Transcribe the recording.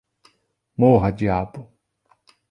Morra, diabo!